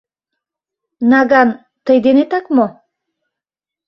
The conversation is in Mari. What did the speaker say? Наган тый денетак мо?